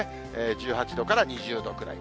１８度から２０度くらい。